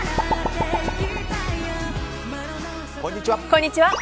こんにちは。